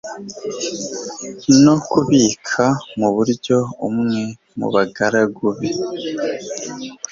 no kubika mu buryo umwe mu bagaragu be